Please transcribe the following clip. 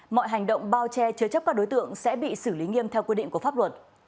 mọi hành động bao che chứa chấp các đối tượng sẽ bị xử lý nghiêm theo quy định của pháp luật